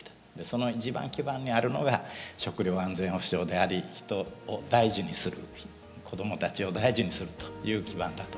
その一番基盤にあるのが「食料安全保障」であり人を大事にする子どもたちを大事にするという基盤だと思います。